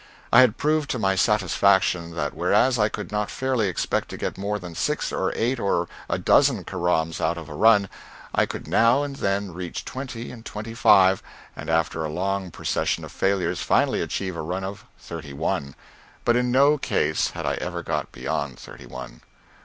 I had proved to my satisfaction that whereas I could not fairly expect to get more than six or eight or a dozen caroms out of a run, I could now and then reach twenty and twenty five, and after a long procession of failures finally achieve a run of thirty one; but in no case had I ever got beyond thirty one.